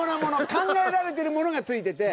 考えられてるものがついてて。